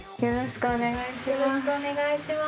よろしくお願いします！